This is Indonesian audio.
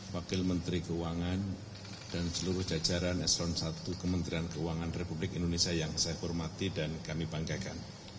wakil menteri keuangan dan seluruh jajaran esron satu kementerian keuangan republik indonesia yang saya hormati dan kami banggakan